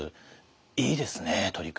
いいですね取り組み。